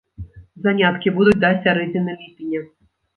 Заняткі будуць да сярэдзіны ліпеня.